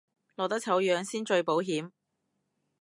落得醜樣先最保險